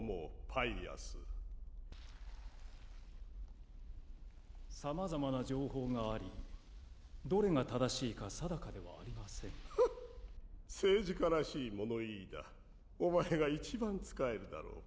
パイアス様々な情報がありどれが正しいか定かではありませんフッ政治家らしい物言いだお前が一番使えるだろう